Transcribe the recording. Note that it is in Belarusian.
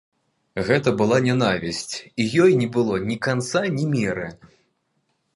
Гэта была нянавісць, і ёй не было ні канца, ні меры.